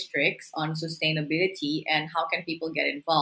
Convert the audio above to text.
tentang kesehatan dan bagaimana orang orang bisa bergabung